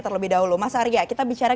terlebih dahulu mas arya kita bicara